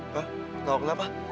hah ketawa kenapa